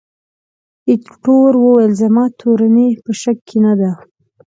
ایټور وویل، زما تورني په شک کې نه ده.